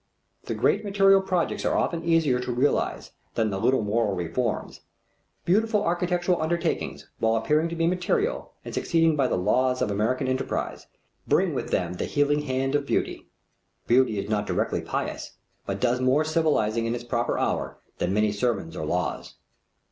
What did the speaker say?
The great material projects are often easier to realize than the little moral reforms. Beautiful architectural undertakings, while appearing to be material, and succeeding by the laws of American enterprise, bring with them the healing hand of beauty. Beauty is not directly pious, but does more civilizing in its proper hour than many sermons or laws.